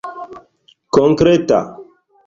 konkreta